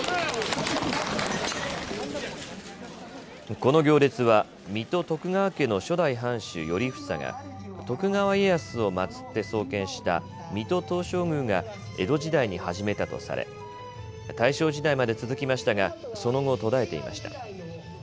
この行列は水戸徳川家の初代藩主、頼房が徳川家康を祭って創建した水戸東照宮が江戸時代に始めたとされ大正時代まで続きましたがその後、途絶えていました。